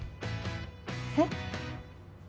えっ？